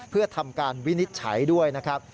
เพื่อทำการวินิจฉัยด้วยนะครับ